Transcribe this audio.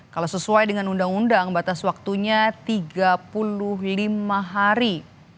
kalau sesuai dengan undang undang batas waktunya tiga puluh lima hari